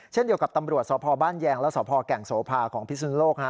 เช่นเดียวกับตำรวจสพบ้านแยงและสพแก่งโสภาของพิสุนโลก